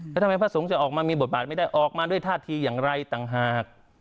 แล้วทำไมพระสงฆ์จะออกมามีบทบาทไม่ได้ออกมาด้วยท่าทีอย่างไรต่างหาก